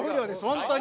本当に。